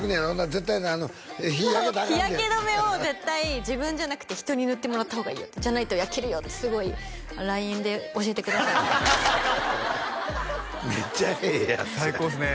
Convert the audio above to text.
絶対日焼けたらアカンで日焼け止めを「絶対自分じゃなくて」「人に塗ってもらった方がいいよじゃないと焼けるよ」ってすごいＬＩＮＥで教えてくださってめっちゃええやん最高ですね